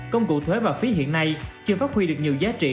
công cụ thuế và phí hiện nay chưa phát huy được nhiều giá trị